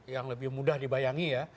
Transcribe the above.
yang lebih mudah dibayangi ya